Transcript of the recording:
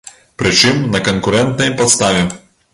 Прычым, на канкурэнтнай падставе.